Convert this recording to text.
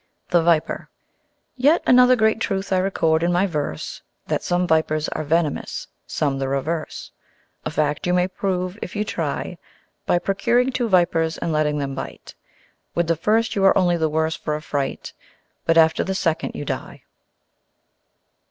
The Viper Yet another great truth I record in my verse, That some Vipers are venomous, some the reverse; A fact you may prove if you try, By procuring two Vipers, and letting them bite; With the first you are only the worse for a fright, But after the second you die.